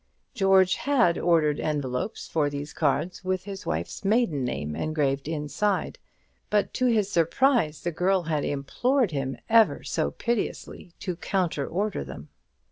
George had ordered envelopes for these cards with his wife's maiden name engraved inside; but, to his surprise, the girl had implored him, ever so piteously, to counter order them.